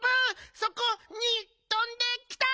そこにとんできた！